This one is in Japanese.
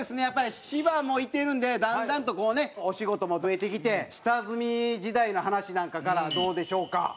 やっぱり芝もいてるんでだんだんとこうねお仕事も増えてきて下積み時代の話なんかからどうでしょうか？